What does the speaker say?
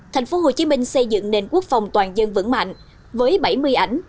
tp hcm xây dựng nền quốc phòng toàn dân vững mạnh với bảy mươi ảnh